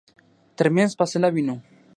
ترمنځ فاصله وينو.